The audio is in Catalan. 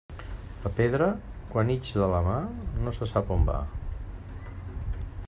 La pedra, quan ix de la mà, no se sap on va.